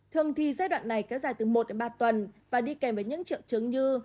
thường thì giai đoạn này kéo dài từ một đến ba tuần và đi kèm với những triệu chứng như